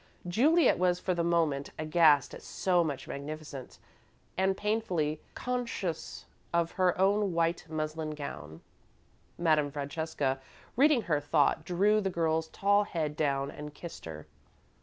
Juliet was for the moment aghast at so much magnificence and painfully conscious of her own white muslin gown. Madame Francesca, reading her thought, drew the girl's tall head down and kissed her.